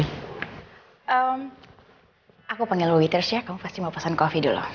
sekarang aku panggil youters ya kamu pasti mau pesan kopi dulu